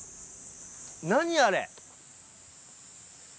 何あれ？